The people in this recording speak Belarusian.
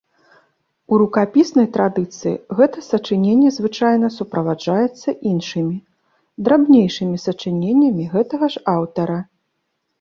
У рукапіснай традыцыі гэта сачыненне звычайна суправаджаецца іншымі, драбнейшымі сачыненнямі гэтага ж аўтара.